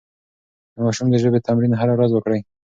د ماشوم د ژبې تمرين هره ورځ وکړئ.